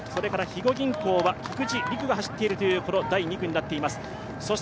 肥後銀行は菊地梨紅が走っている２区になっています。